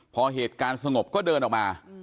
พอเหตุการณ์สงบก็เดินออกมา